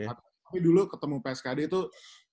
tapi dulu ketemu pskd tuh